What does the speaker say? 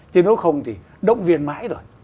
chứ nếu không thì động viên mãi rồi